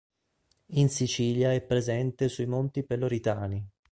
In Sicilia è presente sui Monti Peloritani.